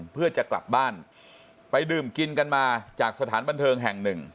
เพื่อจะกลับบ้านไปดื่มกินกันมาจากสถานบันเทิงแห่งหนึ่ง